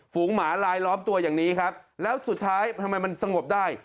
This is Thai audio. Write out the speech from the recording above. ฝงหมาลายล้อมตัวอย่างนี้ครับแล้วสุดท้ายทำไมมันสงบได้